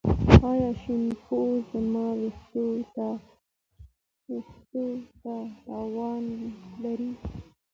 ایا شیمپو زما ویښتو ته تاوان لري؟